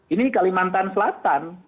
ini di kalimantan selatan